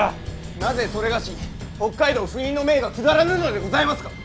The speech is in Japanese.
なぜそれがしに北海道赴任の命が下らぬのでございますか！